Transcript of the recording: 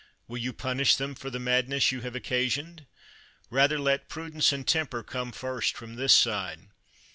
Will you punish them for the mad ness you have occasioned? Rather let prudence and temper come first from this side.